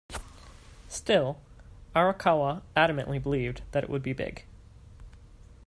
Still, Arakawa adamantly believed that it would be big.